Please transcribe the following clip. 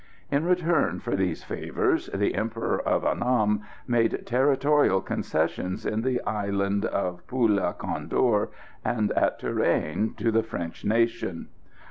In return for these favours the Emperor of Annam made territorial concessions in the Island of Poula Condor and at Tourane to the French nation.